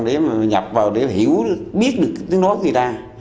mình nhập vào để hiểu biết được tiếng nói người ta